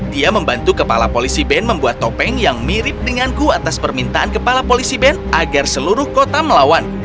dia membantu kepala polisi ben membuat topeng yang mirip denganku atas permintaan kepala polisi ben agar seluruh kota melawan